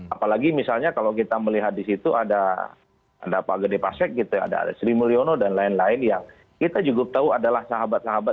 apalagi misalnya kalau kita melihat di situ ada pak gede pasek gitu ada sri mulyono dan lain lain yang kita cukup tahu adalah sahabat sahabat